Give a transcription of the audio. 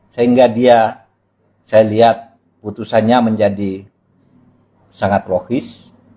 sehingga dia saya lihat putusannya menjadi sangat logis